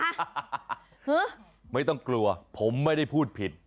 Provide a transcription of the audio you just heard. คือไม่ต้องกลัวผมไม่ได้พูดผิด